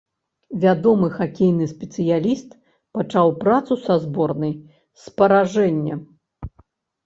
Вядомы хакейны спецыяліст пачаў працу са зборнай з паражэння.